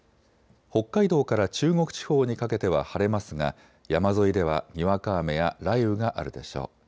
北海道から中国地方にかけては晴れますが山沿いではにわか雨や雷雨があるでしょう。